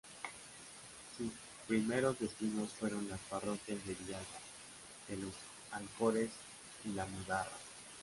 Sus primeros destinos fueron las parroquias de Villalba de los Alcores y La Mudarra.